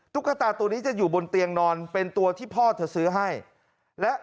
ตุ๊กตาตัวนี้จะอยู่บนเตียงนอนเป็นตัวที่พ่อเธอซื้อให้และ